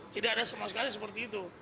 tidak ada semuanya seperti itu